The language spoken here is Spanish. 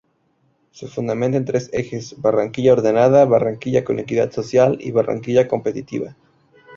Se fundamenta en tres ejes: "Barranquilla Ordenada", "Barranquilla con Equidad Social" y "Barranquilla Competitiva".